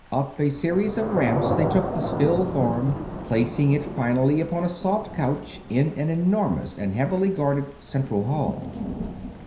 Up a series of ramps they took the still form, placing it finally upon a soft couch in an enormous and heavily guarded central hall.